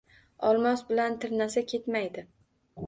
Olmos bilan tirnasa, ketmaydi.